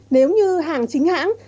nếu như hàng chính hãng